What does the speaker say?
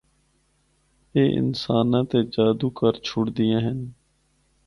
اے انساناں تے جادو کر چُھڑدیاں ہن۔